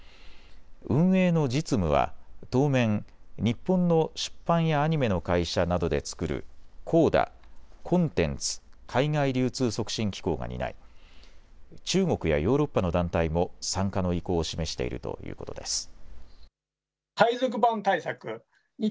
運営の実務は当面、日本の出版やアニメの会社などで作るＣＯＤＡ・コンテンツ海外流通促進機構が担い中国やヨーロッパの団体も参加の意向を示しているということです。